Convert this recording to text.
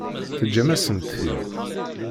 Teǧǧam-asent-t-id?